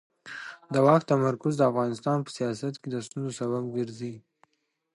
د واک تمرکز د افغانستان په سیاست کې د ستونزو سبب ګرځي